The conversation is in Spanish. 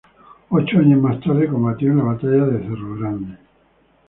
Ocho años más tarde combatió en la Batalla de Cerro Grande.